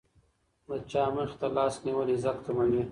د چا مخې ته لاس نیول عزت کموي.